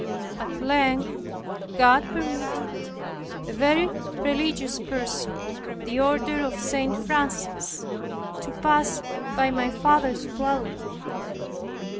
At length, God permitted a very religious person, of the order of St. Francis, to pass by my father's dwelling.